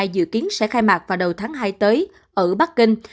dự kiến sẽ khai mạc vào đầu tháng hai tới ở bắc kinh